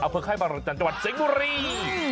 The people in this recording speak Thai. อเผิกให้บังรจันทร์จังหวัดเซงบุรี